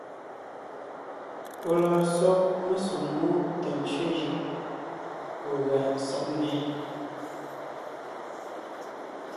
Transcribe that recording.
Ɔ̀ lɔɔn sɔg mesoŋ mú tà ntsẅé jʉʼ ɔ̀ gʉa sɔg nnɛ́.